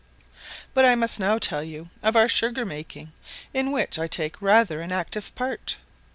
But I must now tell you of our sugar making, in which I take rather an active part.